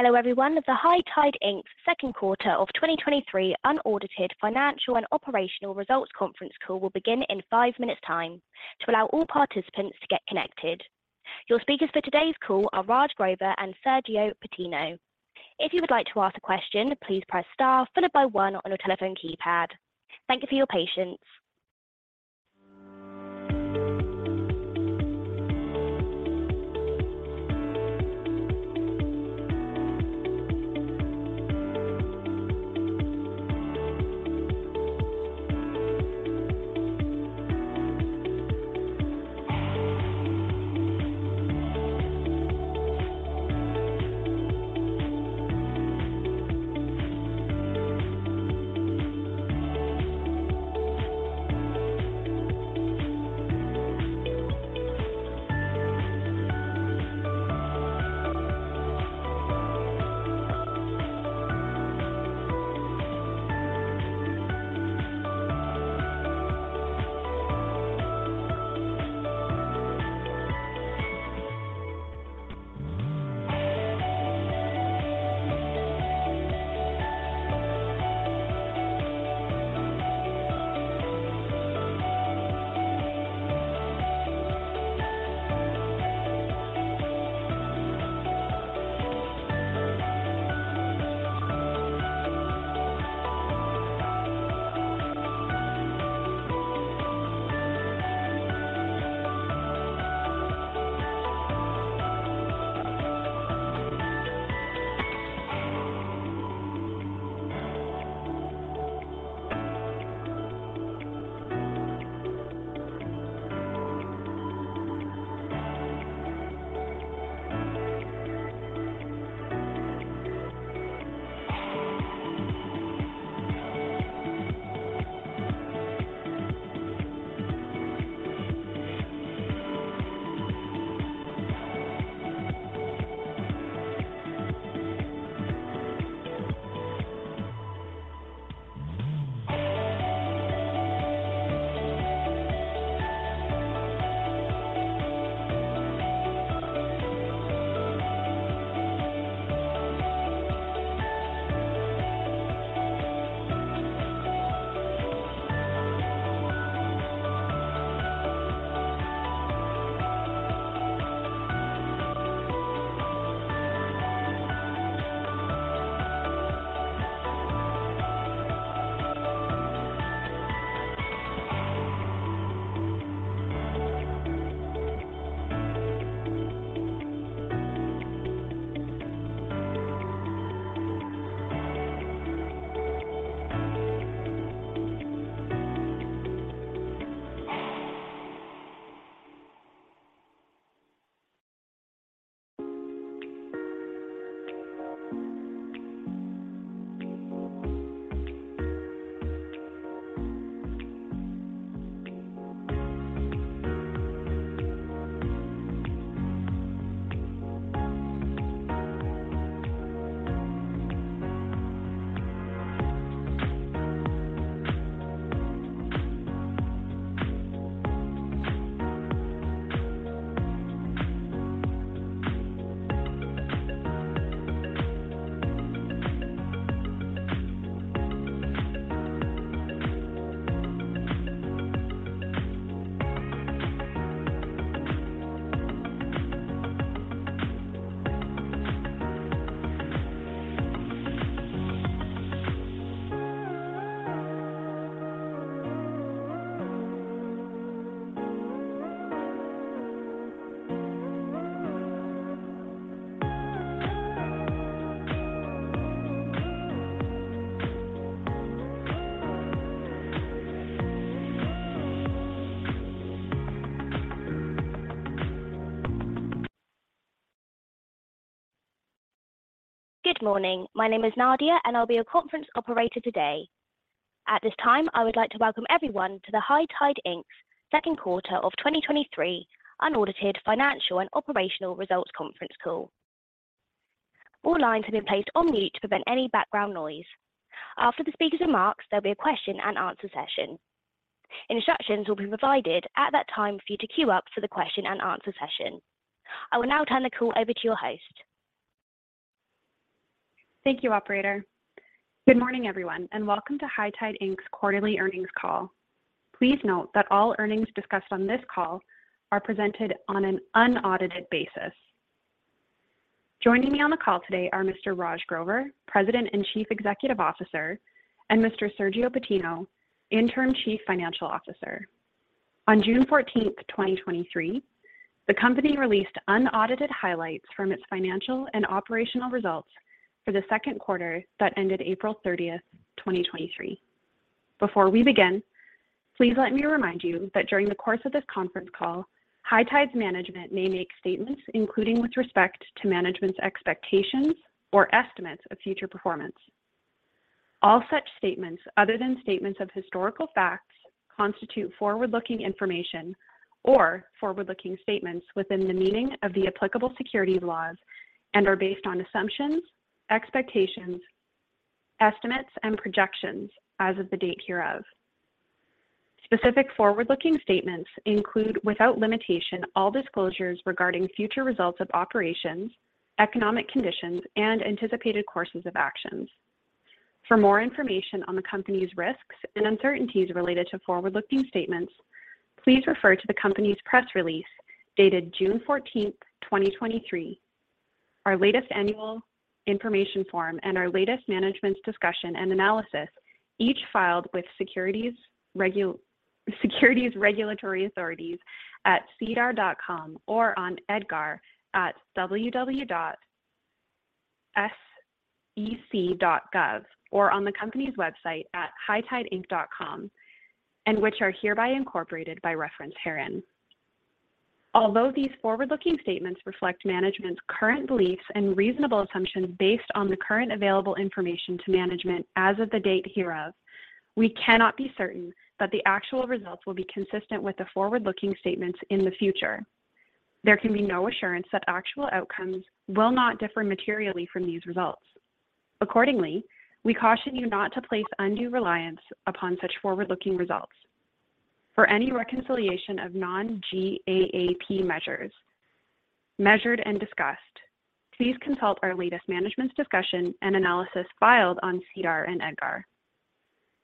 Hello, everyone. The High Tide Inc.'s Second Quarter of 2023 Unaudited Financial and Operational Results Conference Call will begin in five minutes time to allow all participants to get connected. Your speakers for today's call are Raj Grover and Sergio Patino. If you would like to ask a question, please press star followed by one on your telephone keypad. Thank you for your patience. Good morning. My name is Nadia, and I'll be your conference operator today. At this time, I would like to welcome everyone to the High Tide Inc.'s Second Quarter of 2023 Unaudited Financial and Operational Results Conference Call. All lines have been placed on mute to prevent any background noise. After the speakers' remarks, there'll be a question and answer session. Instructions will be provided at that time for you to queue up for the question-and-answer session. I will now turn the call over to your host. Thank you, operator. Good morning, everyone, and welcome to High Tide Inc.'s Quarterly Earnings Call. Please note that all earnings discussed on this call are presented on an unaudited basis. Joining me on the call today are Mr. Raj Grover, President and Chief Executive Officer, and Mr. Sergio Patino, Interim Chief Financial Officer. On June 14, 2023, the company released unaudited highlights from its financial and operational results for the second quarter that ended April 30, 2023. Before we begin, please let me remind you that during the course of this conference call, High Tide's management may make statements, including with respect to management's expectations or estimates of future performance. All such statements, other than statements of historical facts, constitute forward-looking information or forward-looking statements within the meaning of the applicable securities laws and are based on assumptions, expectations, estimates, and projections as of the date hereof.... Specific forward-looking statements include, without limitation, all disclosures regarding future results of operations, economic conditions, and anticipated courses of actions. For more information on the company's risks and uncertainties related to forward-looking statements, please refer to the company's press release dated June 14, 2023, our latest annual information form, and our latest management's discussion and analysis, each filed with securities regulatory authorities at sedar.com or on EDGAR at www.sec.gov, or on the company's website at hightideinc.com, and which are hereby incorporated by reference herein. Although these forward-looking statements reflect management's current beliefs and reasonable assumptions based on the current available information to management as of the date hereof, we cannot be certain that the actual results will be consistent with the forward-looking statements in the future. There can be no assurance that actual outcomes will not differ materially from these results. Accordingly, we caution you not to place undue reliance upon such forward-looking results. For any reconciliation of non-GAAP measures, measured and discussed, please consult our latest management's discussion and analysis filed on SEDAR and EDGAR.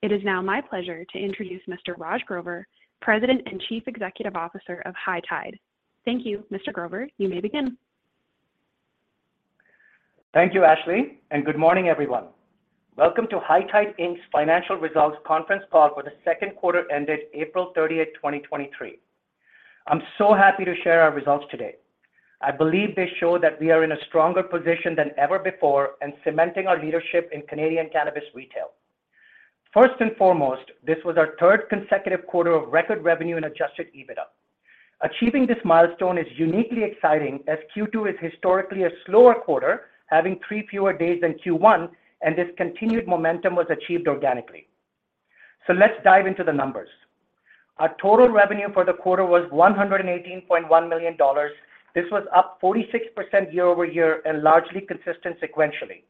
It is now my pleasure to introduce Mr. Raj Grover, President and Chief Executive Officer of High Tide. Thank you. Mr. Grover, you may begin. Thank you, Ashley. Good morning, everyone. Welcome to High Tide Inc.'s Financial Results Conference Call for the second quarter ended April 30th, 2023. I'm so happy to share our results today. I believe they show that we are in a stronger position than ever before and cementing our leadership in Canadian cannabis retail. First and foremost, this was our third consecutive quarter of record revenue and adjusted EBITDA. Achieving this milestone is uniquely exciting as Q2 is historically a slower quarter, having three fewer days than Q1, and this continued momentum was achieved organically. Let's dive into the numbers. Our total revenue for the quarter was 118.1 million dollars. This was up 46% year-over-year and largely consistent sequentially.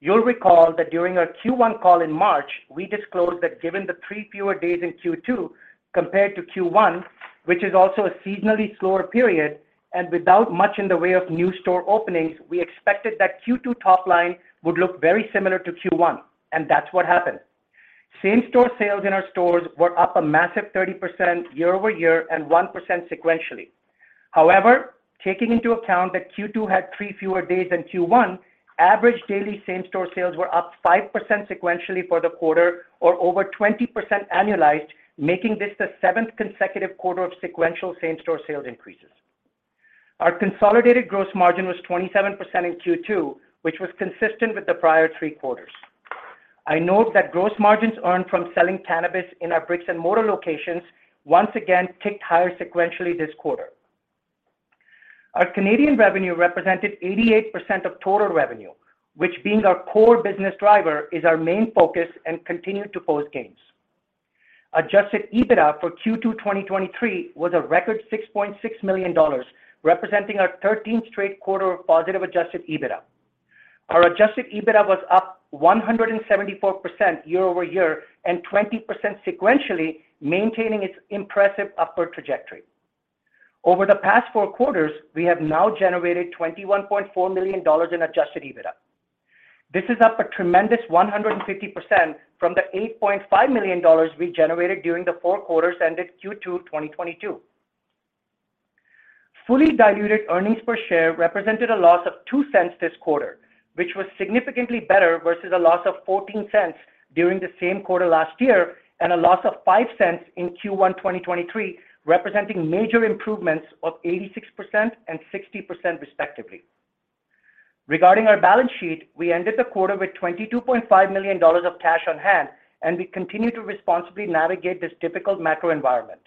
You'll recall that during our Q1 call in March, we disclosed that given the three fewer days in Q2 compared to Q1, which is also a seasonally slower period, without much in the way of new store openings, we expected that Q2 top line would look very similar to Q1. That's what happened. Same-store sales in our stores were up a massive 30% year-over-year and 1% sequentially. However, taking into account that Q2 had three fewer days than Q1, average daily same-store sales were up 5% sequentially for the quarter or over 20% annualized, making this the seventh consecutive quarter of sequential same-store sales increases. Our consolidated gross margin was 27% in Q2, which was consistent with the prior three quarters. I note that gross margins earned from selling cannabis in our bricks and mortar locations once again ticked higher sequentially this quarter. Our Canadian revenue represented 88% of total revenue, which being our core business driver, is our main focus and continued to post gains. Adjusted EBITDA for Q2 2023 was a record 6.6 million dollars, representing our 13th straight quarter of positive Adjusted EBITDA. Our Adjusted EBITDA was up 174% year-over-year and 20% sequentially, maintaining its impressive upward trajectory. Over the past four quarters, we have now generated 21.4 million dollars in Adjusted EBITDA. This is up a tremendous 150% from the 8.5 million dollars we generated during the four quarters ended Q2 2022. Fully diluted earnings per share represented a loss of 0.02 this quarter, which was significantly better versus a loss of 0.14 during the same quarter last year and a loss of 0.05 in Q1 2023, representing major improvements of 86% and 60%, respectively. Regarding our balance sheet, we ended the quarter with 22.5 million dollars of cash on hand, and we continue to responsibly navigate this difficult macro environment.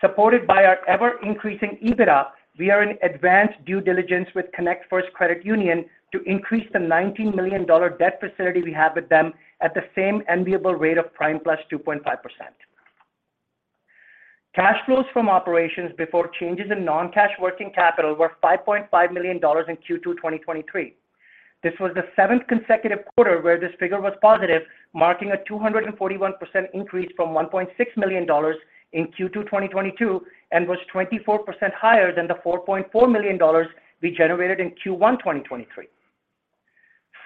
Supported by our ever-increasing EBITDA, we are in advanced due diligence with connectFirst Credit Union to increase the 19 million dollar debt facility we have with them at the same enviable rate of prime + 2.5%. Cash flows from operations before changes in non-cash working capital were 5.5 million dollars in Q2 2023. This was the seventh consecutive quarter where this figure was positive, marking a 241% increase from 1.6 million dollars in Q2 2022, and was 24% higher than the 4.4 million dollars we generated in Q1 2023.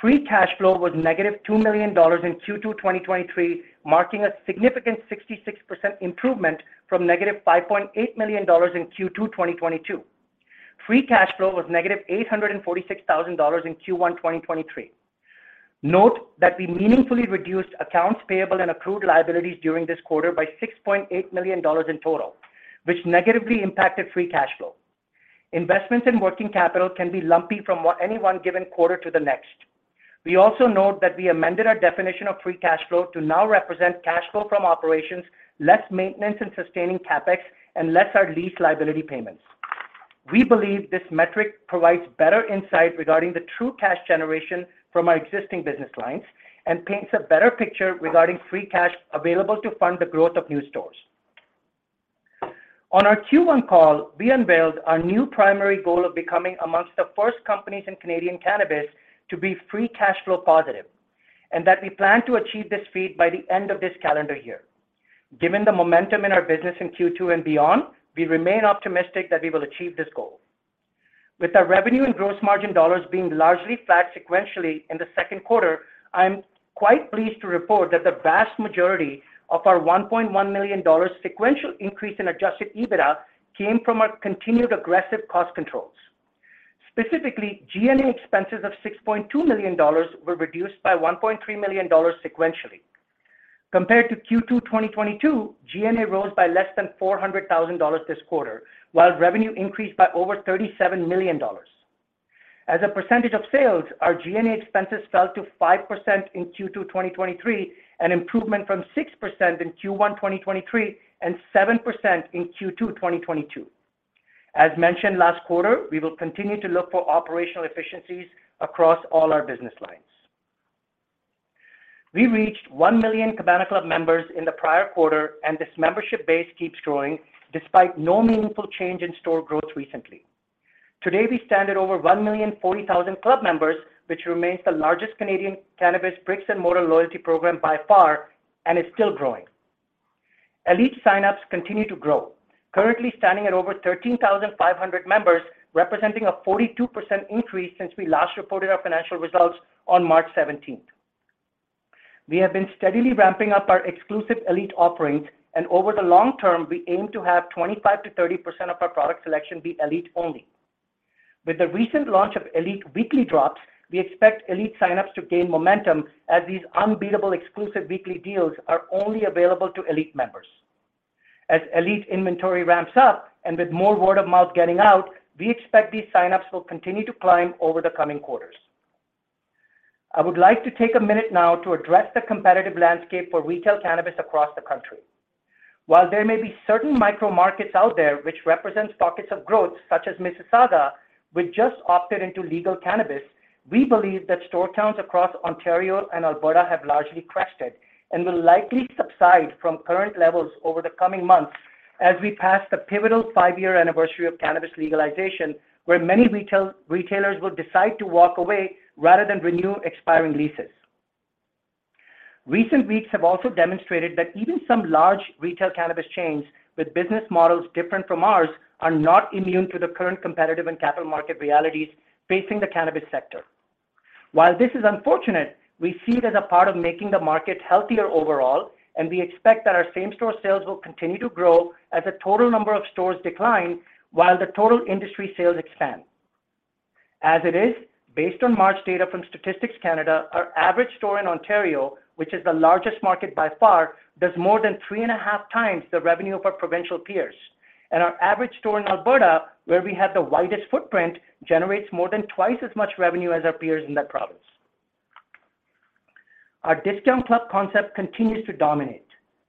Free cash flow was -2 million dollars in Q2 2023, marking a significant 66% improvement from -5.8 million dollars in Q2 2022. Free cash flow was -846,000 dollars in Q1 2023. Note that we meaningfully reduced accounts payable and accrued liabilities during this quarter by 6.8 million dollars in total, which negatively impacted free cash flow. Investments in working capital can be lumpy from what any one given quarter to the next. We also note that we amended our definition of free cash flow to now represent cash flow from operations, less maintenance and sustaining CapEx, and less our lease liability payments. We believe this metric provides better insight regarding the true cash generation from our existing business lines and paints a better picture regarding free cash available to fund the growth of new stores. On our Q1 call, we unveiled our new primary goal of becoming amongst the first companies in Canadian cannabis to be free cash flow positive, and that we plan to achieve this feat by the end of this calendar year. Given the momentum in our business in Q2 and beyond, we remain optimistic that we will achieve this goal. With our revenue and gross margin dollars being largely flat sequentially in the second quarter, I'm quite pleased to report that the vast majority of our 1.1 million dollars sequential increase in adjusted EBITDA came from our continued aggressive cost controls. Specifically, G&A expenses of 6.2 million dollars were reduced by 1.3 million dollars sequentially. Compared to Q2 2022, G&A rose by less than 400,000 dollars this quarter, while revenue increased by over 37 million dollars. As a percentage of sales, our G&A expenses fell to 5% in Q2 2023, an improvement from 6% in Q1 2023, and 7% in Q2 2022. As mentioned last quarter, we will continue to look for operational efficiencies across all our business lines. We reached 1 million Cabana Club members in the prior quarter, and this membership base keeps growing despite no meaningful change in store growth recently. Today, we stand at over 1,040,000 Cabana Club members, which remains the largest Canadian cannabis bricks-and-mortar loyalty program by far, and is still growing. ELITE sign-ups continue to grow, currently standing at over 13,500 members, representing a 42% increase since we last reported our financial results on March 17th. We have been steadily ramping up our exclusive ELITE offerings, and over the long term, we aim to have 25%-30% of our product selection be ELITE only. With the recent launch of ELITE weekly drops, we expect ELITE sign-ups to gain momentum as these unbeatable exclusive weekly deals are only available to ELITE members. As ELITE inventory ramps up and with more word of mouth getting out, we expect these sign-ups will continue to climb over the coming quarters. I would like to take a minute now to address the competitive landscape for retail cannabis across the country. While there may be certain micro markets out there which represent pockets of growth, such as Mississauga, which just opted into legal cannabis, we believe that store counts across Ontario and Alberta have largely crested and will likely subside from current levels over the coming months as we pass the pivotal five-year anniversary of cannabis legalization, where many retailers will decide to walk away rather than renew expiring leases. Recent weeks have also demonstrated that even some large retail cannabis chains with business models different from ours, are not immune to the current competitive and capital market realities facing the cannabis sector. While this is unfortunate, we see it as a part of making the market healthier overall, we expect that our same-store sales will continue to grow as the total number of stores decline, while the total industry sales expand. As it is, based on March data from Statistics Canada, our average store in Ontario, which is the largest market by far, does more than 3.5x the revenue of our provincial peers. Our average store in Alberta, where we have the widest footprint, generates more than twice as much revenue as our peers in that province. Our discount club concept continues to dominate.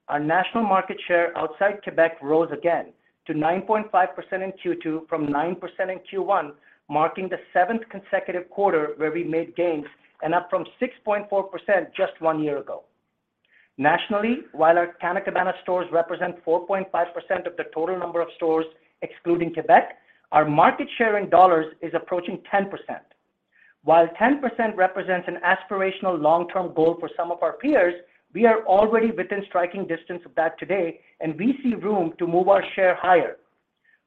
Our national market share outside Quebec rose again to 9.5% in Q2 from 9% in Q1, marking the seventh consecutive quarter where we made gains and up from 6.4% just 1 year ago. Nationally, while our Canna Cabana stores represent 4.5% of the total number of stores, excluding Quebec, our market share in CAD is approaching 10%. While 10% represents an aspirational long-term goal for some of our peers, we are already within striking distance of that today, we see room to move our share higher.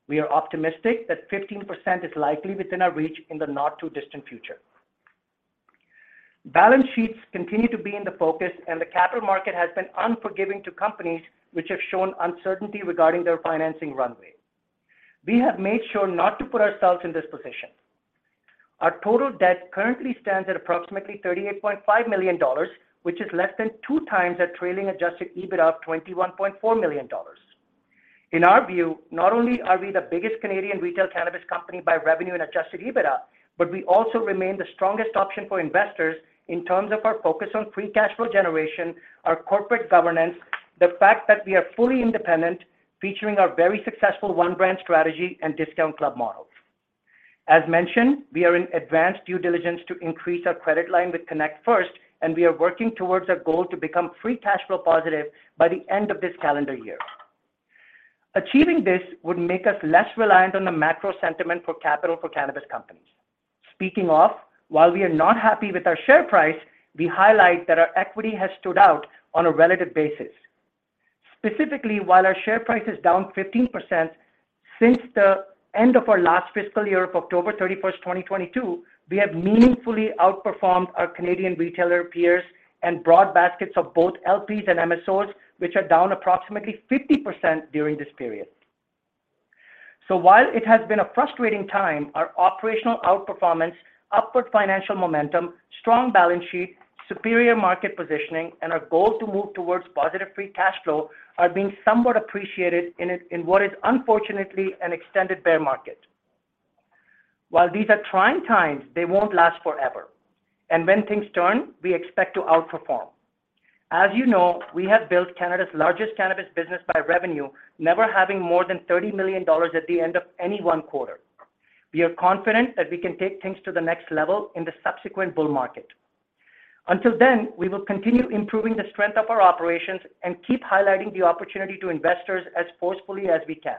We are optimistic that 15% is likely within our reach in the not-too-distant future. Balance sheets continue to be in the focus, the capital market has been unforgiving to companies which have shown uncertainty regarding their financing runway. We have made sure not to put ourselves in this position. Our total debt currently stands at approximately 38.5 million dollars, which is less than 2x our trailing adjusted EBITDA of 21.4 million dollars. In our view, not only are we the biggest Canadian retail cannabis company by revenue and adjusted EBITDA, but we also remain the strongest option for investors in terms of our focus on free cash flow generation, our corporate governance, the fact that we are fully independent, featuring our very successful one-brand strategy and discount club models. As mentioned, we are in advanced due diligence to increase our credit line with connectFirst, and we are working towards our goal to become free cash flow positive by the end of this calendar year. Achieving this would make us less reliant on the macro sentiment for capital for cannabis companies. Speaking of, while we are not happy with our share price, we highlight that our equity has stood out on a relative basis. Specifically, while our share price is down 15% since the end of our last fiscal year of October 31, 2022, we have meaningfully outperformed our Canadian retailer peers and broad baskets of both LPs and MSOs, which are down approximately 50% during this period. While it has been a frustrating time, our operational outperformance, upward financial momentum, strong balance sheet, superior market positioning, and our goal to move towards positive free cash flow are being somewhat appreciated in what is unfortunately an extended bear market. While these are trying times, they won't last forever, when things turn, we expect to outperform. As you know, we have built Canada's largest cannabis business by revenue, never having more than 30 million dollars at the end of any one quarter. We are confident that we can take things to the next level in the subsequent bull market. Until then, we will continue improving the strength of our operations and keep highlighting the opportunity to investors as forcefully as we can.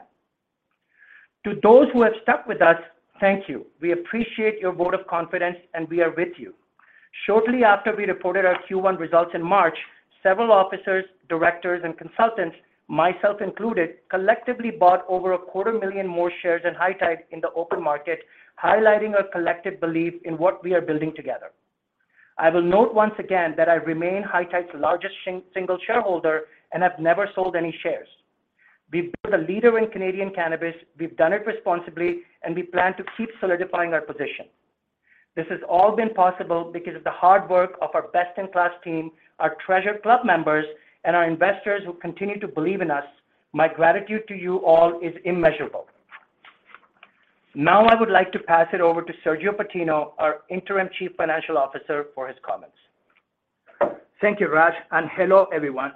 To those who have stuck with us, thank you. We appreciate your vote of confidence, and we are with you. Shortly after we reported our Q1 results in March, several officers, directors, and consultants, myself included, collectively bought over a quarter million more shares in High Tide in the open market, highlighting our collective belief in what we are building together. I will note once again that I remain High Tide's largest single shareholder and have never sold any shares. We've built a leader in Canadian cannabis, we've done it responsibly, and we plan to keep solidifying our position. This has all been possible because of the hard work of our best-in-class team, our Cabana Club members, and our investors who continue to believe in us. My gratitude to you all is immeasurable. I would like to pass it over to Sergio Patino, our interim Chief Financial Officer, for his comments. Thank you, Raj. Hello, everyone.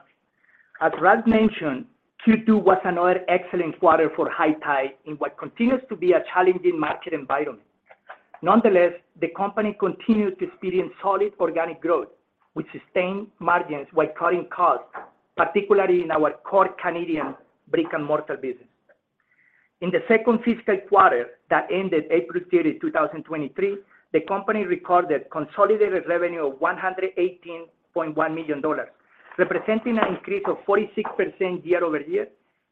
As Raj mentioned, Q2 was another excellent quarter for High Tide in what continues to be a challenging market environment. Nonetheless, the company continued to experience solid organic growth, with sustained margins while cutting costs, particularly in our core Canadian brick-and-mortar business. In the second fiscal quarter that ended April 30, 2023, the company recorded consolidated revenue of 118.1 million dollars, representing an increase of 46% year-over-year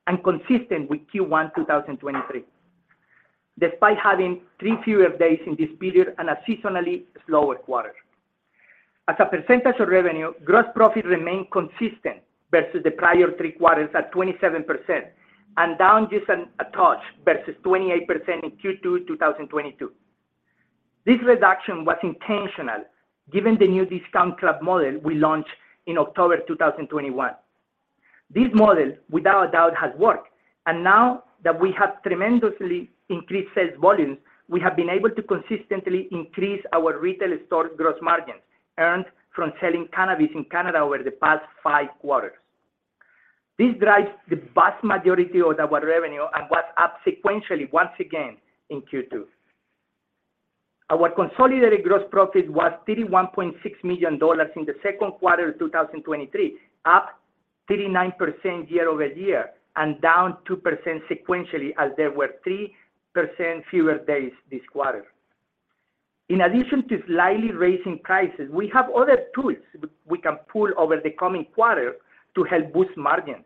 and consistent with Q1 2023, despite having three fewer days in this period and a seasonally slower quarter. As a percentage of revenue, gross profit remained consistent versus the prior three quarters at 27% and down just a touch versus 28% in Q2 2022. This reduction was intentional, given the new discount club model we launched in October 2021. Now that we have tremendously increased sales volumes, we have been able to consistently increase our retail store gross margins earned from selling cannabis in Canada over the past five quarters. This drives the vast majority of our revenue and was up sequentially once again in Q2. Our consolidated gross profit was 31.6 million dollars in the second quarter of 2023, up 39% year-over-year and down 2% sequentially, as there were 3% fewer days this quarter. In addition to slightly raising prices, we have other tools we can pull over the coming quarter to help boost margins.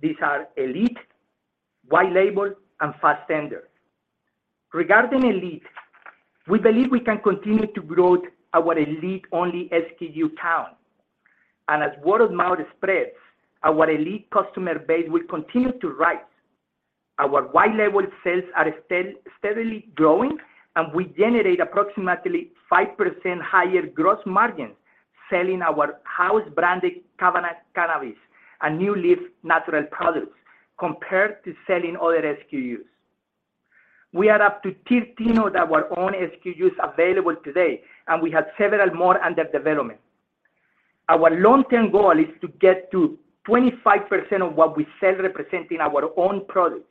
These are ELITE, white-label, and Fastendr. Regarding ELITE, we believe we can continue to grow our ELITE-only SKU count. As word of mouth spreads, our ELITE customer base will continue to rise. Our white-label sales are still steadily growing, and we generate approximately 5% higher gross margins selling our house-branded Cabana Cannabis Co and NuLeaf Naturals products compared to selling other SKUs. We are up to 13 of our own SKUs available today, and we have several more under development. Our long-term goal is to get to 25% of what we sell representing our own products.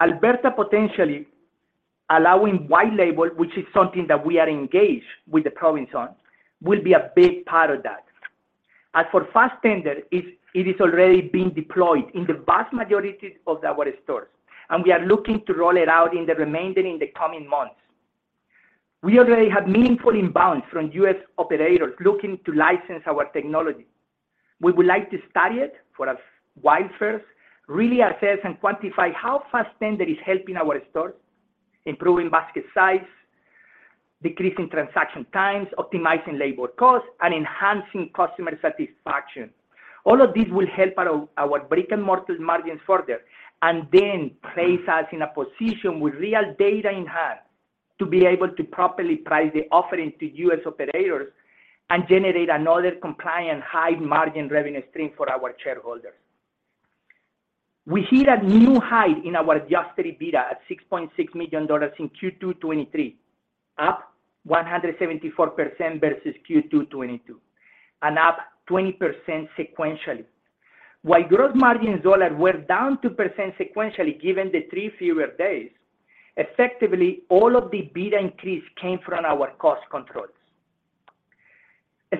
Alberta potentially allowing white-label, which is something that we are engaged with the province on, will be a big part of that. As for Fastendr, it is already being deployed in the vast majority of our stores, and we are looking to roll it out in the remainder in the coming months. We already have meaningful imbalance from U.S. operators looking to license our technology. We would like to study it for a while first, really assess and quantify how Fastendr is helping our stores, improving basket size, decreasing transaction times, optimizing labor costs, and enhancing customer satisfaction. All of this will help our brick-and-mortar margins further, and then place us in a position with real data in hand to be able to properly price the offering to U.S. operators and generate another compliant, high-margin revenue stream for our shareholders. We hit a new height in our adjusted EBITDA at CAD 6.6 million in Q2 2023, up 174% versus Q2 2022, and up 20% sequentially. While gross margins dollar were down 2% sequentially, given the three fewer days, effectively, all of the EBITDA increase came from our cost controls.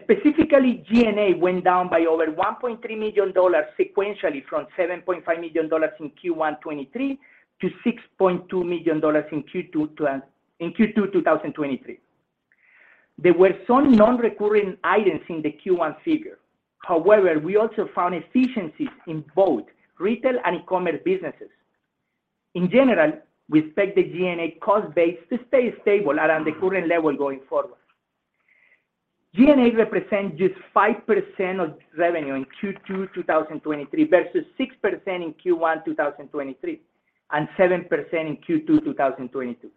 Specifically, G&A went down by over 1.3 million dollars sequentially from 7.5 million dollars in Q1 2023 to 6.2 million dollars in Q2 2023. There were some non-recurring items in the Q1 figure. We also found efficiencies in both retail and e-commerce businesses. In general, we expect the G&A cost base to stay stable around the current level going forward. G&A represent just 5% of revenue in Q2 2023, versus 6% in Q1 2023, and 7% in Q2 2022.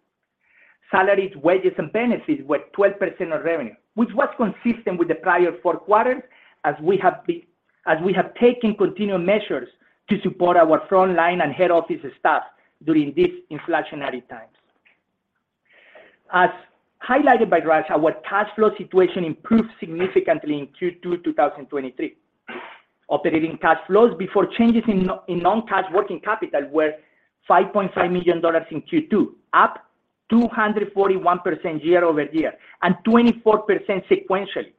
Salaries, wages, and benefits were 12% of revenue, which was consistent with the prior four quarters, as we have taken continued measures to support our frontline and head office staff during these inflationary times. As highlighted by Raj, our cash flow situation improved significantly in Q2 2023. Operating cash flows before changes in non-cash working capital were 5.5 million dollars in Q2, up 241% year-over-year, 24% sequentially.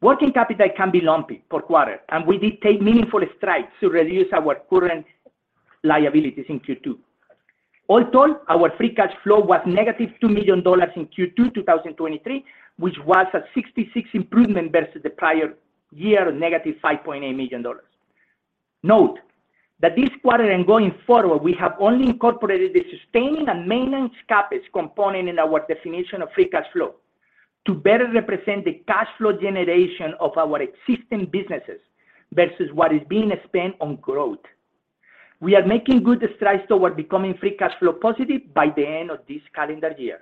Working capital can be lumpy per quarter. We did take meaningful strides to reduce our current liabilities in Q2. All told, our free cash flow was negative 2 million dollars in Q2 2023, which was a 66% improvement versus the prior year, negative 5.8 million dollars. Note that this quarter and going forward, we have only incorporated the sustaining and maintenance CapEx component in our definition of free cash flow to better represent the cash flow generation of our existing businesses versus what is being spent on growth. We are making good strides toward becoming free cash flow positive by the end of this calendar year.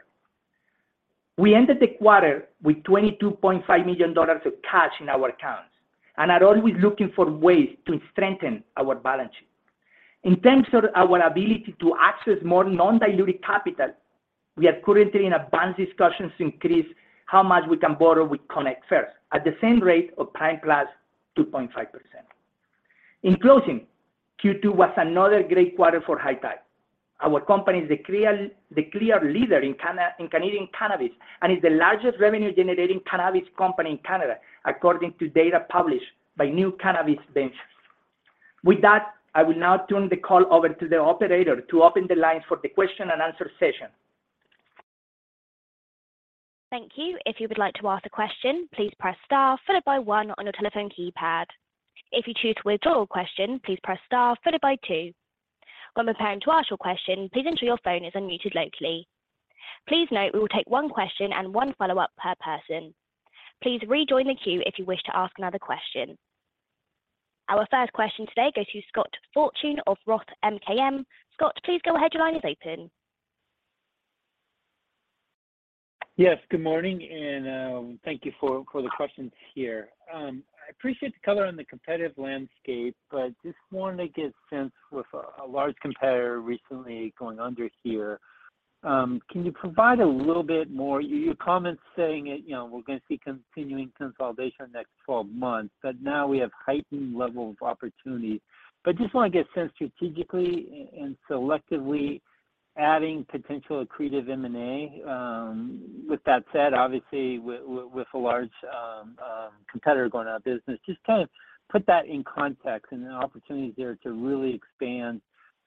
We ended the quarter with 22.5 million dollars of cash in our accounts, are always looking for ways to strengthen our balance sheet. In terms of our ability to access more non-dilutive capital, we are currently in advanced discussions to increase how much we can borrow with connectFirst First at the same rate of prime plus 2.5%. In closing, Q2 was another great quarter for High Tide. Our company is the clear leader in Canadian cannabis, is the largest revenue-generating cannabis company in Canada, according to data published by New Cannabis Ventures. With that, I will now turn the call over to the operator to open the lines for the question and answer session. Thank you. If you would like to ask a question, please press star followed by one on your telephone keypad. If you choose to withdraw your question, please press star followed by two. When preparing to ask your question, please ensure your phone is unmuted locally. Please note we will take one question and one follow-up per person. Please rejoin the queue if you wish to ask another question. Our first question today goes to Scott Fortune of Roth MKM. Scott, please go ahead. Your line is open. Yes, good morning, and thank you for the questions here. I appreciate the color on the competitive landscape, but just want to get a sense with a large competitor recently going under here, can you provide a little bit more? Your comments saying that, you know, we're gonna see continuing consolidation the next 12 months, but now we have heightened level of opportunity. Just want to get a sense strategically and selectively adding potential accretive M&A. With that said, obviously, with a large competitor going out of business, just kind of put that in context and the opportunities there to really expand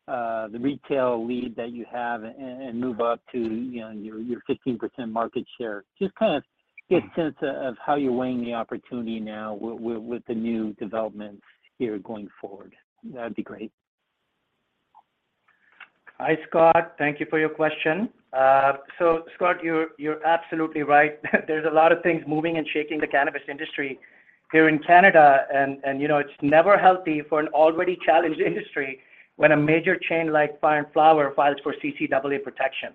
the retail lead that you have and move up to, you know, your 15% market share. Just kind of get a sense of how you're weighing the opportunity now with the new developments here going forward. That'd be great. Hi, Scott. Thank you for your question. Scott, you're absolutely right. There's a lot of things moving and shaking the cannabis industry here in Canada. you know, it's never healthy for an already challenged industry when a major chain like Fire & Flower files for CCAA protection.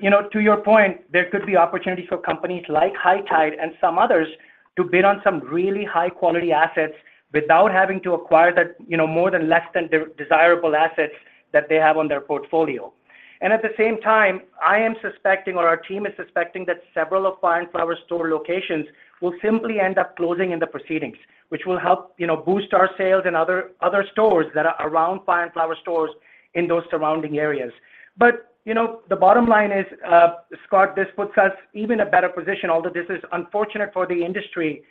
you know, to your point, there could be opportunities for companies like High Tide and some others to bid on some really high-quality assets without having to acquire that, you know, more than less than the desirable assets that they have on their portfolio. At the same time, I am suspecting, or our team is suspecting, that several of Fire & Flower store locations will simply end up closing in the proceedings, which will help, you know, boost our sales in other stores that are around Fire & Flower stores in those surrounding areas. You know, the bottom line is, Scott, this puts us even a better position, although this is unfortunate for the industry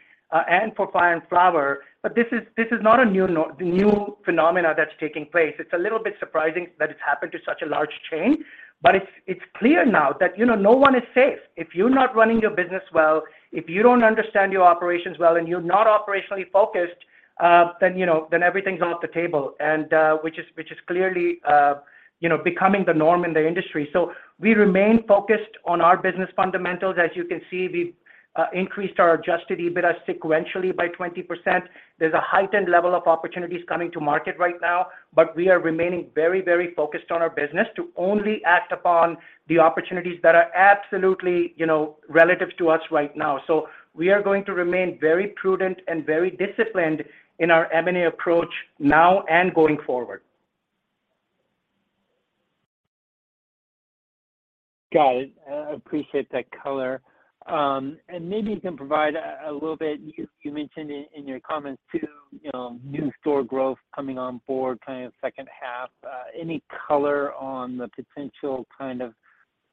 and for Fire & Flower, this is not a new phenomena that's taking place. It's a little bit surprising that it's happened to such a large chain, it's clear now that, you know, no one is safe. If you're not running your business well, if you don't understand your operations well, and you're not operationally focused, then, you know, everything's on the table, which is clearly, you know, becoming the norm in the industry. We remain focused on our business fundamentals. As you can see, we've increased our adjusted EBITDA sequentially by 20%. There's a heightened level of opportunities coming to market right now, but we are remaining very, very focused on our business to only act upon the opportunities that are absolutely, you know, relative to us right now. We are going to remain very prudent and very disciplined in our M&A approach now and going forward. Got it. I appreciate that color. Maybe you can provide a little bit. You mentioned in your comments too, you know, new store growth coming on board kind of second half. Any color on the potential kind of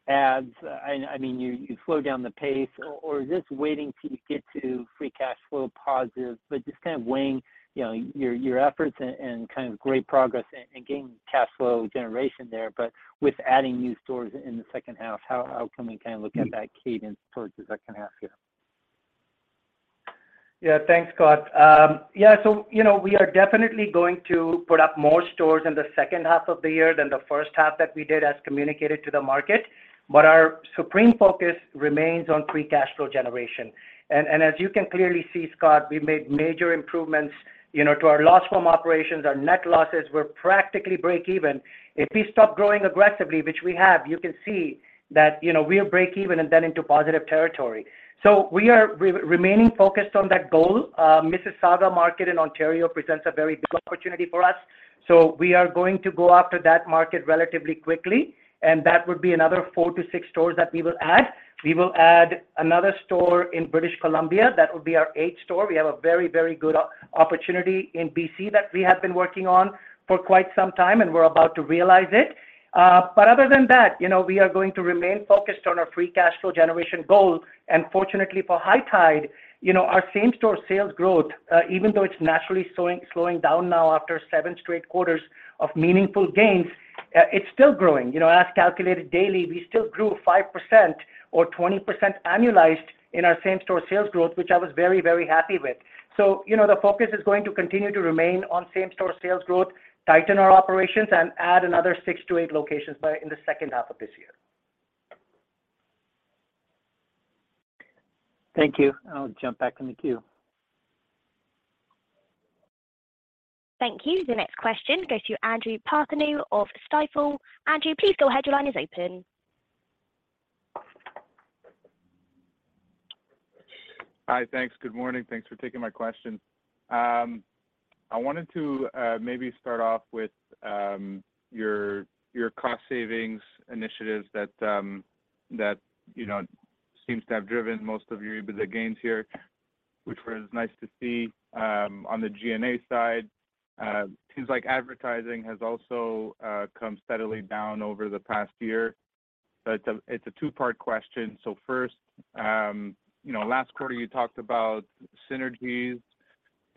ads? I mean, you slowed down the pace or just waiting till you get to free cash flow positive, just kind of weighing, you know, your efforts and kind of great progress and gaining cash flow generation there, but with adding new stores in the second half, how can we kind of look at that cadence towards the second half year? Thanks, Scott. You know, we are definitely going to put up more stores in the second half of the year than the first half that we did, as communicated to the market. Our supreme focus remains on free cash flow generation. As you can clearly see, Scott, we made major improvements, you know, to our loss from operations. Our net losses were practically break-even. If we stop growing aggressively, which we have, you can see that, you know, we're break-even and then into positive territory. We are remaining focused on that goal. Mississauga market in Ontario presents a very big opportunity for us. We are going to go after that market relatively quickly. That would be another 4-6 stores that we will add. We will add another store in British Columbia. That will be our eighth store. We have a very, very good opportunity in BC that we have been working on for quite some time, and we're about to realize it. Other than that, you know, we are going to remain focused on our free cash flow generation goals, and fortunately for High Tide, you know, our same-store sales growth, even though it's naturally slowing down now after seven straight quarters of meaningful gains, it's still growing. You know, as calculated daily, we still grew 5% or 20% annualized in our same-store sales growth, which I was very, very happy with. You know, the focus is going to continue to remain on same-store sales growth, tighten our operations, and add another six to eight locations in the second half of this year. Thank you. I'll jump back in the queue. Thank you. The next question goes to Andrew Partheniou of Stifel. Andrew, please go ahead. Your line is open. Hi, thanks. Good morning. Thanks for taking my question. I wanted to maybe start off with your cost savings initiatives that, you know, seems to have driven most of your EBITDA gains here, which was nice to see. On the G&A side, seems like advertising has also come steadily down over the past year. It's a two-part question. First, you know, last quarter you talked about synergies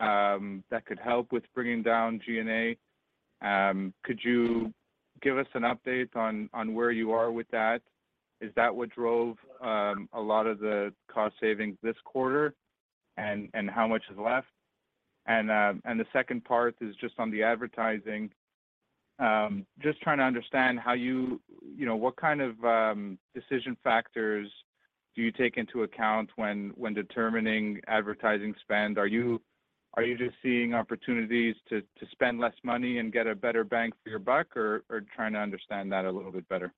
that could help with bringing down G&A. Could you give us an update on where you are with that? Is that what drove a lot of the cost savings this quarter, and how much is left? The second part is just on the advertising. Just trying to understand how you... You know, what kind of decision factors do you take into account when determining advertising spend? Are you just seeing opportunities to spend less money and get a better bang for your buck, or trying to understand that a little bit better?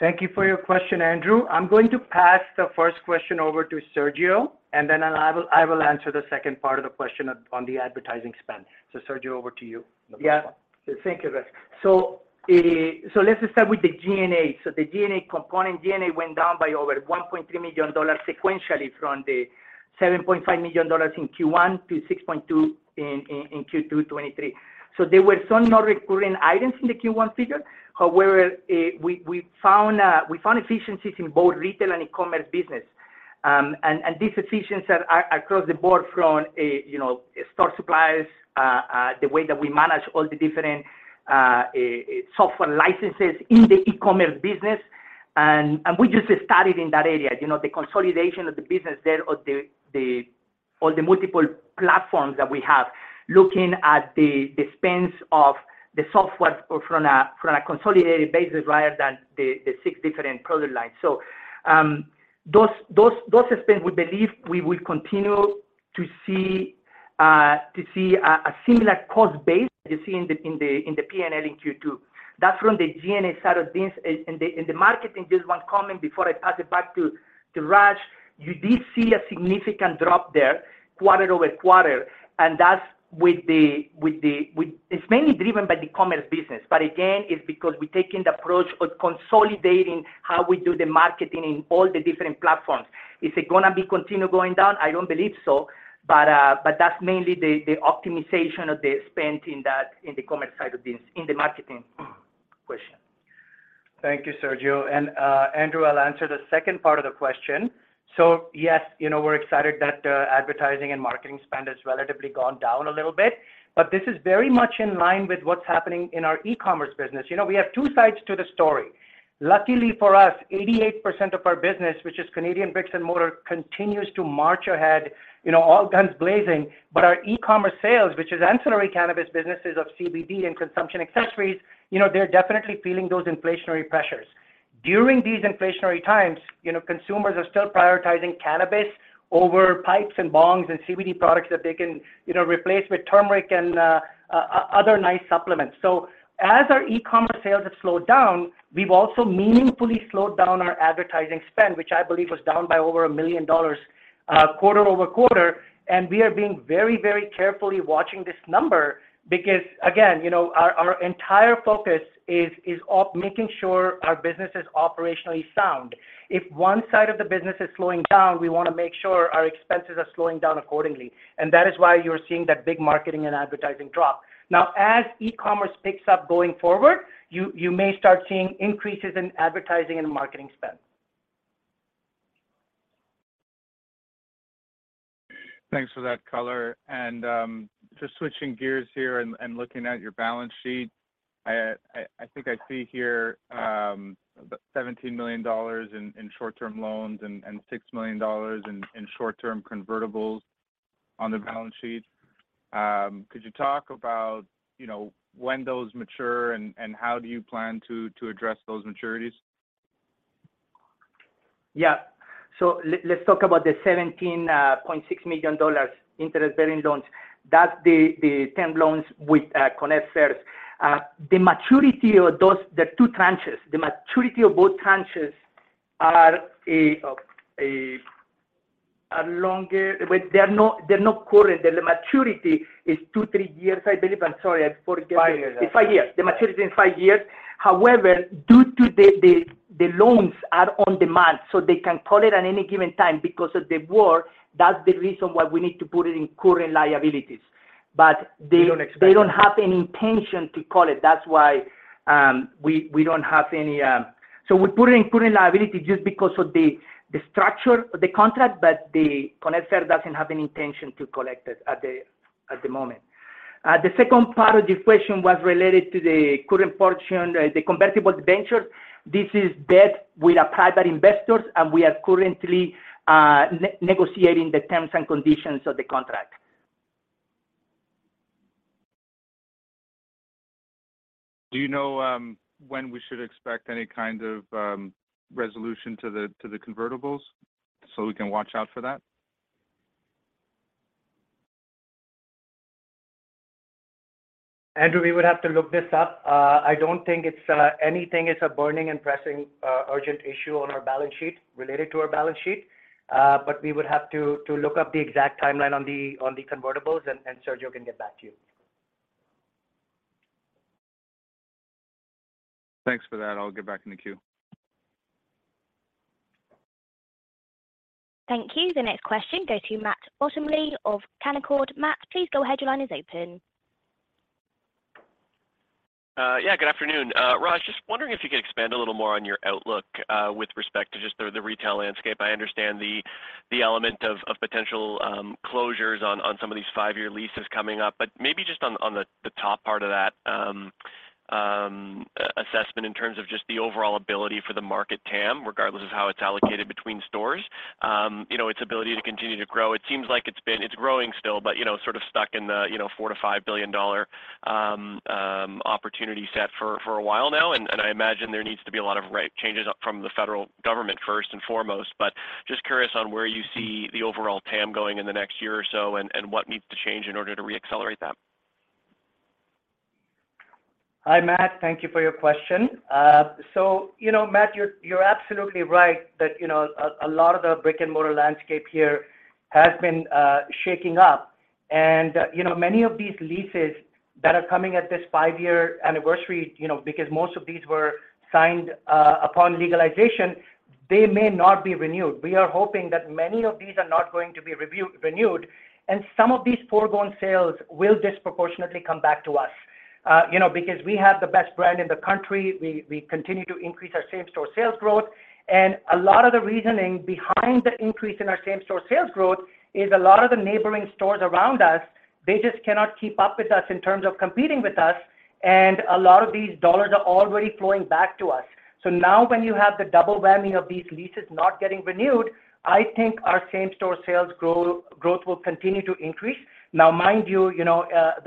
Thank you for your question, Andrew. I'm going to pass the first question over to Sergio, and then I will answer the second part of the question on the advertising spend. Sergio, over to you. Yeah. Thank you, Raj. Let's just start with the G&A. The G&A component, G&A went down by over 1.3 million dollars sequentially from the 7.5 million dollars in Q1 to 6.2 million in Q2 2023. There were some non-recurring items in the Q1 figure. However, we found efficiencies in both retail and e-commerce business. These efficiencies are across the board from a, you know, store supplies, the way that we manage all the different software licenses in the e-commerce business. We just started in that area, you know, the consolidation of the business there, or the all the multiple platforms that we have, looking at the spends of the software from a consolidated basis rather than the six different product lines. Those spends, we believe we will continue to see a similar cost base you see in the P&L in Q2. That's from the G&A side of things. The marketing, just 1 comment before I pass it back to Raj, you did see a significant drop there, quarter-over-quarter, and that's with the it's mainly driven by the commerce business. Again, it's because we're taking the approach of consolidating how we do the marketing in all the different platforms. Is it gonna be continue going down? I don't believe so, but that's mainly the optimization of the spend in that, in the commerce side of business, in the marketing question. Thank you, Sergio. Andrew, I'll answer the second part of the question. Yes, you know, we're excited that advertising and marketing spend has relatively gone down a little bit, but this is very much in line with what's happening in our e-commerce business. You know, we have two sides to the story. Luckily for us, 88% of our business, which is Canadian bricks and mortar, continues to march ahead, you know, all guns blazing. Our e-commerce sales, which is ancillary cannabis businesses of CBD and consumption accessories, you know, they're definitely feeling those inflationary pressures. During these inflationary times, you know, consumers are still prioritizing cannabis over pipes and bongs and CBD products that they can, you know, replace with turmeric and other nice supplements. As our e-commerce sales have slowed down, we've also meaningfully slowed down our advertising spend, which I believe was down by over 1 million dollars quarter-over-quarter. We are being very, very carefully watching this number because, again, you know, our entire focus is making sure our business is operationally sound. If one side of the business is slowing down, we wanna make sure our expenses are slowing down accordingly, and that is why you're seeing that big marketing and advertising drop. As e-commerce picks up going forward, you may start seeing increases in advertising and marketing spend. Thanks for that color. Just switching gears here and looking at your balance sheet, I think I see here 17 million dollars in short-term loans and 6 million dollars in short-term convertibles on the balance sheet. Could you talk about, you know, when those mature, and how do you plan to address those maturities? Yeah. Let's talk about the 17.6 million dollars interest-bearing loans. That's the term loans with connectFirst. The maturity of those, there are two tranches. The maturity of both tranches are a longer... Well, they're not, they're not current. The maturity is two, three years, I believe. I'm sorry, I forget- Five years. Five years. The maturity is five years.... however, due to the loans are on demand, so they can call it at any given time because of the war, that's the reason why we need to put it in current liabilities. They don't expect it. They don't have any intention to call it. That's why we don't have any. We put it in current liability just because of the structure of the contract, but the connectFirst doesn't have any intention to collect it at the moment. The second part of the question was related to the current portion, the convertible debenture. This is debt with our private investors, and we are currently negotiating the terms and conditions of the contract. Do you know, when we should expect any kind of resolution to the convertibles, so we can watch out for that? Andrew, we would have to look this up. I don't think it's anything is a burning and pressing urgent issue on our balance sheet, related to our balance sheet. We would have to look up the exact timeline on the convertibles, and Sergio can get back to you. Thanks for that. I'll get back in the queue. Thank you. The next question goes to Matt Bottomley of Canaccord. Matt, please go ahead. Your line is open. Yeah, good afternoon. Raj, just wondering if you could expand a little more on your outlook with respect to the retail landscape. I understand the element of potential closures on some of these five-year leases coming up, but maybe just on the top part of that assessment in terms of just the overall ability for the market TAM, regardless of how it's allocated between stores. You know, its ability to continue to grow. It seems like it's growing still, but, you know, sort of stuck in the, you know, 4 billion-5 billion dollar opportunity set for a while now. I imagine there needs to be a lot of right changes up from the federal government, first and foremost, but just curious on where you see the overall TAM going in the next year or so, and what needs to change in order to reaccelerate that? Hi, Matt. Thank you for your question. You know, Matt, you're absolutely right that, you know, a lot of the brick-and-mortar landscape here has been shaking up. You know, many of these leases that are coming at this 5-year anniversary, you know, because most of these were signed upon legalization, they may not be renewed. We are hoping that many of these are not going to be renewed, and some of these foregone sales will disproportionately come back to us. You know, because we have the best brand in the country, we continue to increase our same-store sales growth. A lot of the reasoning behind the increase in our same-store sales growth is a lot of the neighboring stores around us, they just cannot keep up with us in terms of competing with us, and a lot of these dollars are already flowing back to us. Now when you have the double whammy of these leases not getting renewed, I think our same-store sales growth will continue to increase. Now, mind you know,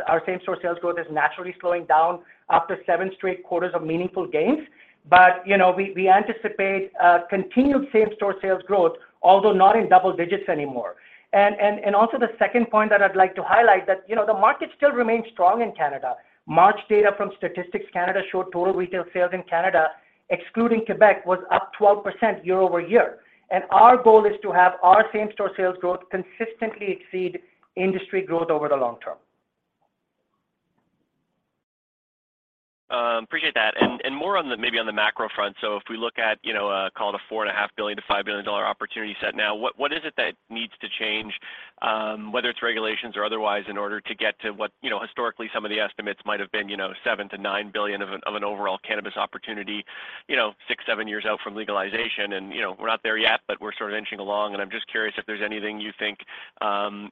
our same-store sales growth is naturally slowing down after seven straight quarters of meaningful gains, but, you know, we anticipate continued same-store sales growth, although not in double digits anymore. Also the second point that I'd like to highlight, that, you know, the market still remains strong in Canada. March data from Statistics Canada showed total retail sales in Canada, excluding Quebec, was up 12% year-over-year. Our goal is to have our same-store sales growth consistently exceed industry growth over the long term. Appreciate that. More on the macro front. If we look at, you know, call it a 4.5 billion-5 billion dollar opportunity set now, what is it that needs to change, whether it's regulations or otherwise, in order to get to what, you know, historically, some of the estimates might have been, you know, 7 billion-9 billion of an overall cannabis opportunity, you know, six, seven years out from legalization? You know, we're not there yet, but we're sort of inching along, and I'm just curious if there's anything you think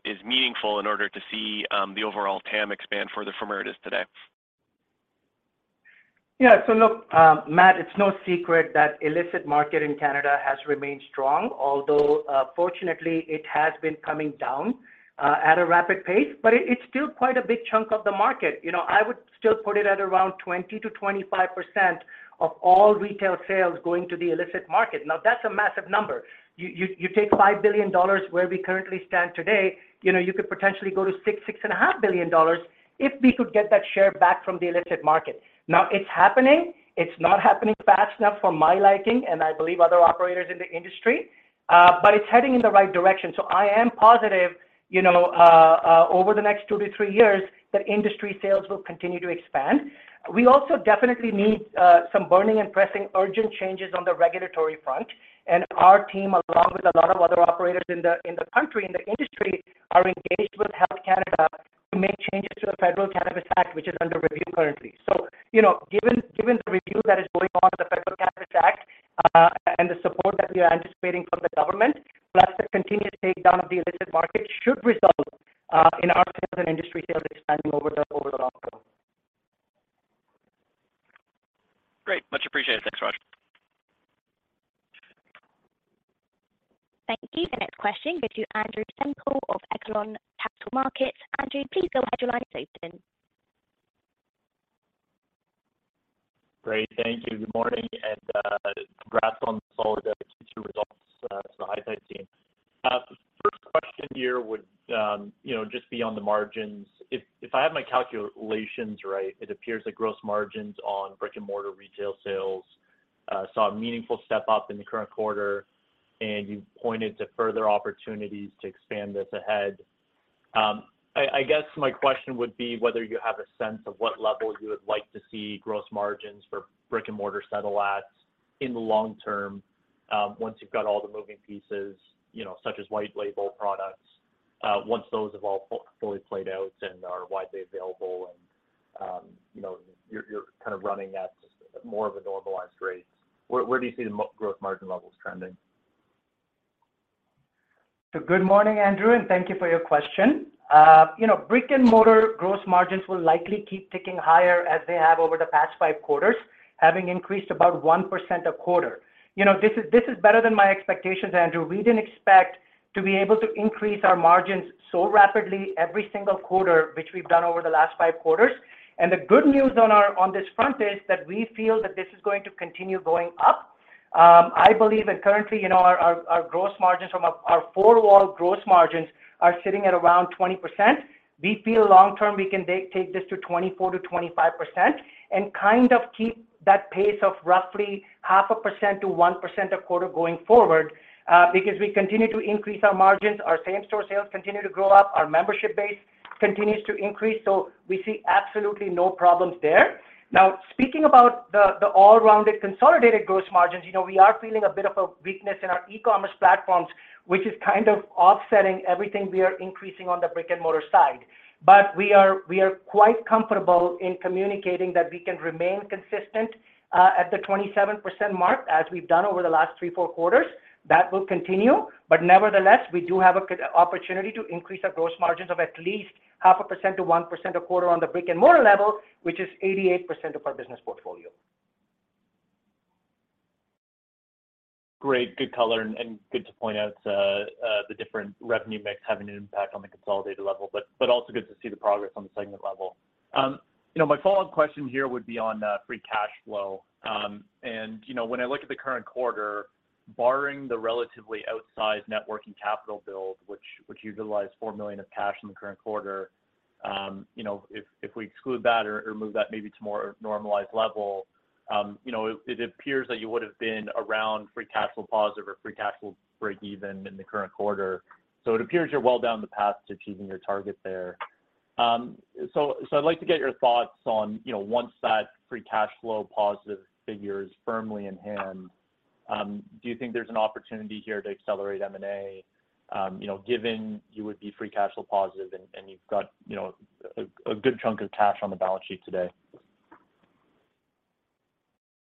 is meaningful in order to see the overall TAM expand further from where it is today. Yeah. Matt, it's no secret that illicit market in Canada has remained strong, although, fortunately, it has been coming down at a rapid pace. It's still quite a big chunk of the market. You know, I would still put it at around 20%-25% of all retail sales going to the illicit market. That's a massive number. You take 5 billion dollars where we currently stand today, you know, you could potentially go to 6 billion-6.5 billion dollars if we could get that share back from the illicit market. It's happening. It's not happening fast enough for my liking, and I believe other operators in the industry, but it's heading in the right direction. I am positive, you know, over the next two to three years, that industry sales will continue to expand. We also definitely need some burning and pressing urgent changes on the regulatory front, and our team, along with a lot of other operators in the country, in the industry, are engaged with Health Canada to make changes to the Federal Cannabis Act, which is under review currently. You know, given the review that is going on in the Federal Cannabis Act, and the support that we are anticipating from the government, plus the continued takedown of the illicit market, should result in our sales and industry sales expanding over the long term. Great. Much appreciated. Thanks, Raj. Thank you. The next question goes to Andrew Semple of Echelon Capital Markets. Andrew, please go ahead. Your line is open. Great. Thank you. Good morning, and congrats on the solid Q2 results to the High Tide team. The first question here would, you know, just be on the margins. If I have my calculations right, it appears that gross margins on brick-and-mortar. I saw a meaningful step up in the current quarter, and you pointed to further opportunities to expand this ahead. I guess my question would be whether you have a sense of what level you would like to see gross margins for brick-and-mortar settle at in the long term, once you've got all the moving pieces, you know, such as white-label products, once those have all fully played out and are widely available, and you're kind of running at just more of a normalized rate. Where do you see the gross margin levels trending? Good morning, Andrew, and thank you for your question. You know, brick-and-mortar gross margins will likely keep ticking higher as they have over the past five quarters, having increased about 1% a quarter. You know, this is better than my expectations, Andrew. We didn't expect to be able to increase our margins so rapidly every single quarter, which we've done over the last five quarters, and the good news on this front is that we feel that this is going to continue going up. I believe that currently, you know, our gross margins from our four wall gross margins are sitting at around 20%. We feel long term, we can take this to 24%-25%, and kind of keep that pace of roughly 0.5%-1% a quarter going forward, because we continue to increase our margins, our same-store sales continue to grow up, our membership base continues to increase, we see absolutely no problems there. Speaking about the all-rounded consolidated gross margins, you know, we are feeling a bit of a weakness in our e-commerce platforms, which is kind of offsetting everything we are increasing on the brick-and-mortar side. We are quite comfortable in communicating that we can remain consistent at the 27% mark, as we've done over the last three, four quarters. Nevertheless, we do have a good opportunity to increase our gross margins of at least %0.5-1% a quarter on the brick-and-mortar level, which is 88% of our business portfolio. Great. Good color, and good to point out the different revenue mix having an impact on the consolidated level, but also good to see the progress on the segment level. You know, my follow-up question here would be on free cash flow. You know, when I look at the current quarter, barring the relatively outsized networking capital build, which utilized 4 million of cash in the current quarter, you know, if we exclude that or move that maybe to more normalized level, you know, it appears that you would've been around free cash flow positive or free cash flow breakeven in the current quarter. It appears you're well down the path to achieving your target there. I'd like to get your thoughts on, you know, once that free cash flow positive figure is firmly in hand, do you think there's an opportunity here to accelerate M&A? You know, given you would be free cash flow positive and you've got, you know, a good chunk of cash on the balance sheet today.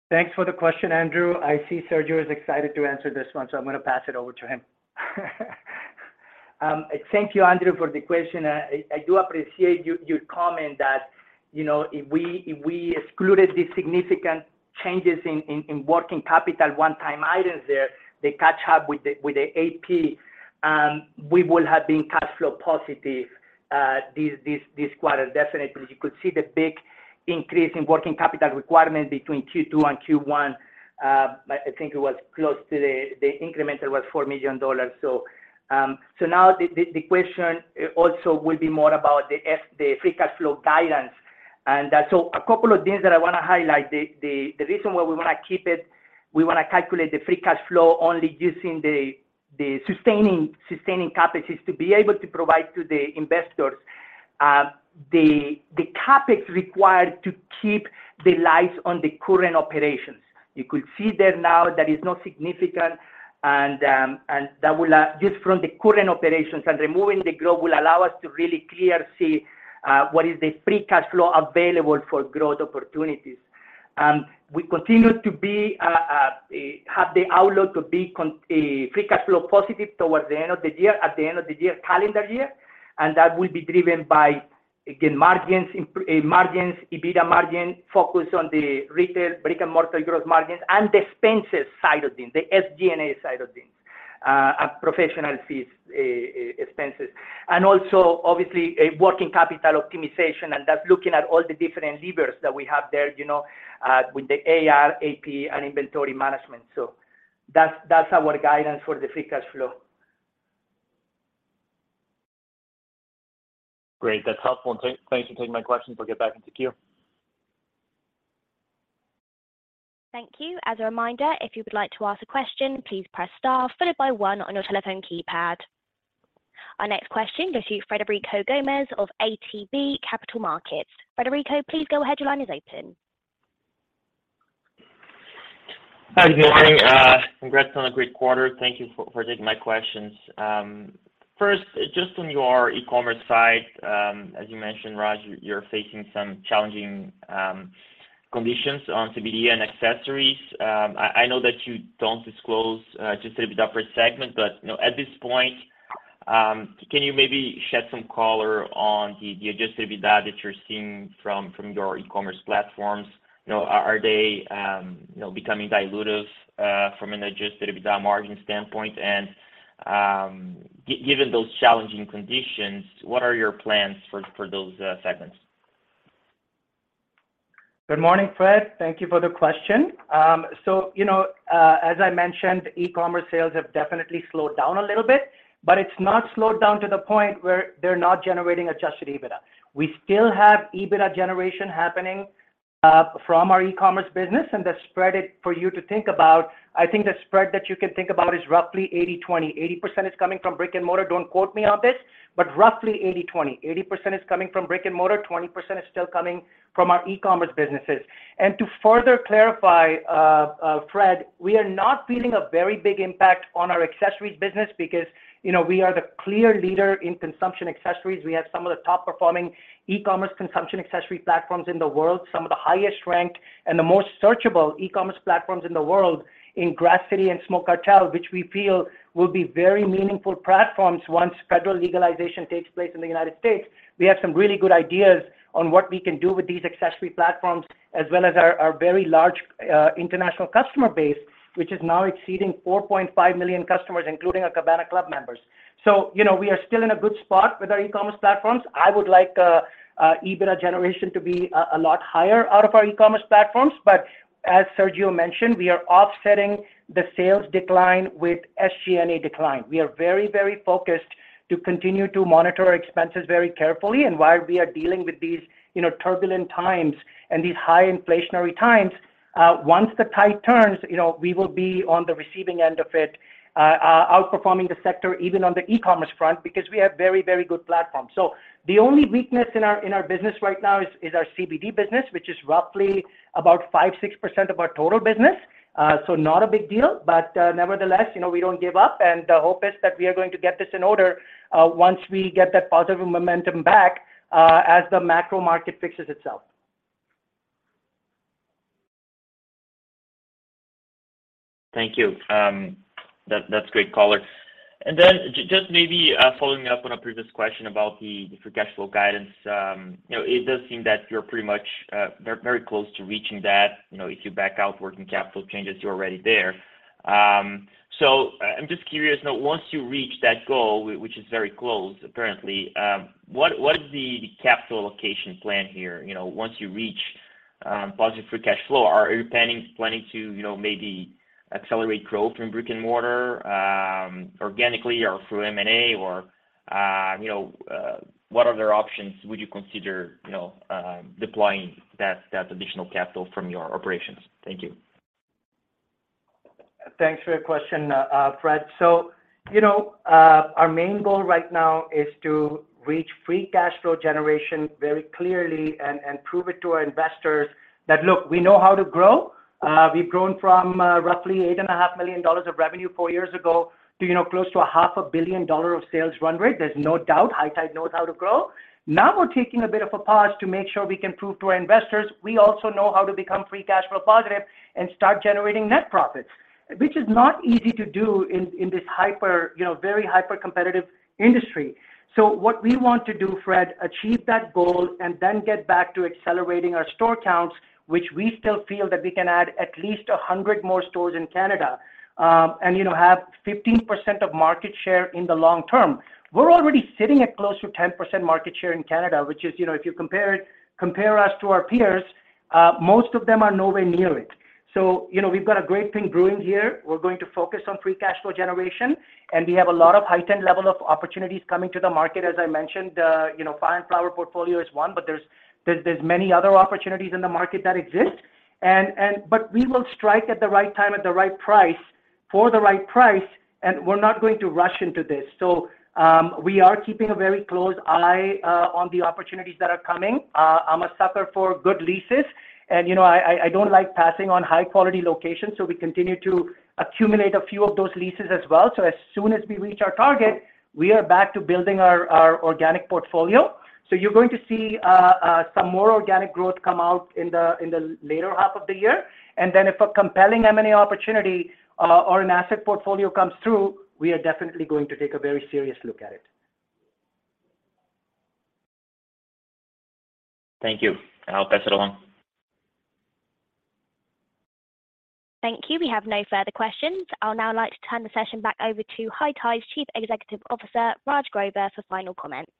Thanks for the question, Andrew. I see Sergio is excited to answer this one, so I'm gonna pass it over to him. Thank you, Andrew, for the question. I do appreciate your comment that, you know, if we excluded the significant changes in working capital one-time items there, the catch up with the AP, we would have been cash flow positive this quarter, definitely. You could see the big increase in working capital requirement between Q2 and Q1. I think the increment was 4 million dollars. Now the question also will be more about the free cash flow guidance. A couple of things that I wanna highlight. The reason why we wanna keep it, we wanna calculate the free cash flow only using the sustaining capacities to be able to provide to the investors the CapEx required to keep the lights on the current operations. You could see that now that is not significant, and that will just from the current operations and removing the globe will allow us to really clear see what is the free cash flow available for growth opportunities. We continue to have the outlook to be free cash flow positive towards the end of the year, at the end of the year, calendar year. That will be driven by, again, margins, EBITDA margin, focus on the retail brick-and-mortar growth margins, the expenses side of things, the SG&A side of things, professional fees, expenses. Also, obviously, a working capital optimization, and that's looking at all the different levers that we have there, you know, with the AR, AP, and inventory management. That's our guidance for the free cash flow. Great, that's helpful. Thanks for taking my questions. I'll get back in the queue. Thank you. As a reminder, if you would like to ask a question, please press star followed by one on your telephone keypad. Our next question goes to Frederico Gomes of ATB Capital Markets. Frederico, please go ahead. Your line is open. Hi, good morning. Congrats on a great quarter. Thank you for taking my questions. First, just on your e-commerce side, as you mentioned, Raj, you're facing some challenging conditions on CBD and accessories. I know that you don't disclose adjusted EBITDA per segment, but, you know, at this point, can you maybe shed some color on the adjusted EBITDA that you're seeing from your e-commerce platforms? You know, are they, you know, becoming dilutive from an adjusted EBITDA margin standpoint? Given those challenging conditions, what are your plans for those segments? Good morning, Fred. Thank you for the question. So, you know, as I mentioned, e-commerce sales have definitely slowed down a little bit, but it's not slowed down to the point where they're not generating adjusted EBITDA. We still have EBITDA generation happening.... from our e-commerce business and the spread it for you to think about, I think the spread that you can think about is roughly 80/20. 80% is coming from brick-and-mortar, don't quote me on this, but roughly 80/20. 80% is coming from brick-and-mortar, 20% is still coming from our e-commerce businesses. To further clarify, Fred, we are not feeling a very big impact on our accessories business because, you know, we are the clear leader in consumption accessories. We have some of the top-performing e-commerce consumption accessory platforms in the world, some of the highest-ranked and the most searchable e-commerce platforms in the world, in Grasscity and Smoke Cartel, which we feel will be very meaningful platforms once federal legalization takes place in the United States. We have some really good ideas on what we can do with these accessory platforms, as well as our very large international customer base, which is now exceeding 4.5 million customers, including our Cabana Club members. You know, we are still in a good spot with our e-commerce platforms. I would like EBITDA generation to be a lot higher out of our e-commerce platforms. As Sergio mentioned, we are offsetting the sales decline with SG&A decline. We are very, very focused to continue to monitor our expenses very carefully. While we are dealing with these, you know, turbulent times and these high inflationary times, once the tide turns, you know, we will be on the receiving end of it, outperforming the sector, even on the e-commerce front, because we have very, very good platforms. The only weakness in our business right now is our CBD business, which is roughly about 5%, 6% of our total business. Not a big deal, but nevertheless, you know, we don't give up, the hope is that we are going to get this in order once we get that positive momentum back as the macro market fixes itself. Thank you. That's great color. Just maybe, following up on a previous question about the free cash flow guidance, you know, it does seem that you're pretty much very close to reaching that. You know, if you back out working capital changes, you're already there. I'm just curious, now, once you reach that goal, which is very close, apparently, what is the capital allocation plan here? You know, once you reach positive free cash flow, are you planning to, you know, maybe accelerate growth in brick-and-mortar, organically or through M&A, or, you know, what other options would you consider, you know, deploying that additional capital from your operations? Thank you. Thanks for your question, Fred. You know, our main goal right now is to reach free cash flow generation very clearly and prove it to our investors that, look, we know how to grow. We've grown from roughly 8.5 million dollars of revenue four years ago to, you know, close to a half a billion dollar of sales run rate. There's no doubt High Tide knows how to grow. Now, we're taking a bit of a pause to make sure we can prove to our investors, we also know how to become free cash flow positive and start generating net profits, which is not easy to do in this hyper, you know, very hyper-competitive industry. What we want to do, Fred, achieve that goal and then get back to accelerating our store counts, which we still feel that we can add at least 100 more stores in Canada, and, you know, have 15% of market share in the long term. We're already sitting at close to 10% market share in Canada, which is, you know, if you compare us to our peers, most of them are nowhere near it. You know, we've got a great thing brewing here. We're going to focus on free cash flow generation, and we have a lot of heightened level of opportunities coming to the market. As I mentioned, you know, Fire & Flower portfolio is one, but there's many other opportunities in the market that exist. We will strike at the right time, at the right price, for the right price, and we're not going to rush into this. We are keeping a very close eye on the opportunities that are coming. I'm a sucker for good leases, and, you know, I don't like passing on high-quality locations, so we continue to accumulate a few of those leases as well. As soon as we reach our target, we are back to building our organic portfolio. You're going to see some more organic growth come out in the later half of the year. If a compelling M&A opportunity or an asset portfolio comes through, we are definitely going to take a very serious look at it. Thank you, and I'll pass it along. Thank you. We have no further questions. I'll now like to turn the session back over to High Tide's Chief Executive Officer, Raj Grover, for final comments.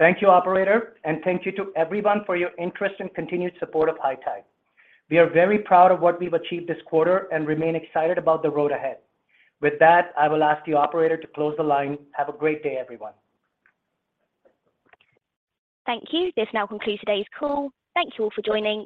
Thank you, operator. Thank you to everyone for your interest and continued support of High Tide. We are very proud of what we've achieved this quarter and remain excited about the road ahead. With that, I will ask the operator to close the line. Have a great day, everyone. Thank you. This now concludes today's call. Thank you all for joining.